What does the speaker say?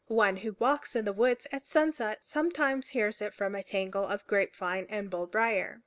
One who walks in the woods at sunset sometimes hears it from a tangle of grapevine and bullbrier.